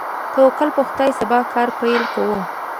توکل په خدای، سبا کار پیل کوو.